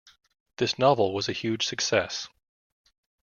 This novel was a huge success.